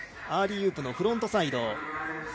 アーリーウープのフロントサイド。